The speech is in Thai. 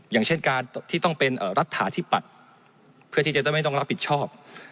อย่างเช่นการที่ต้องเป็นลักษณะภาทิบปัตรเพื่อที่จริงไม่ต้องรับผิดชอบ